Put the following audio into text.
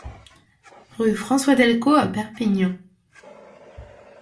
Rue François Delcos à Perpignan